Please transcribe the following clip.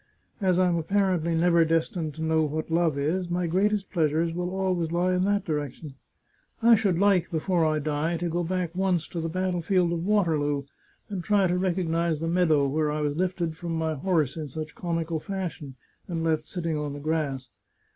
As I am apparently never destined to know what love is, my greatest pleasures will always lie in that direction. I should like, before I die, to go back once to the battle field of Waterloo, and try to recognise the meadow where I was lifted from my horse in such comical fashion, and left sitting on the grass.